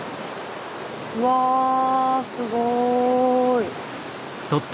うわすごい。